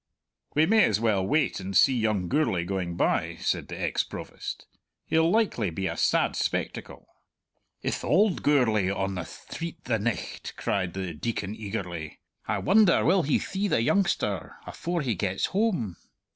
"We may as well wait and see young Gourlay going by," said the ex Provost. "He'll likely be a sad spectacle." "Ith auld Gourlay on the thtreet the nicht?" cried the Deacon eagerly. "I wonder will he thee the youngster afore he gets hame!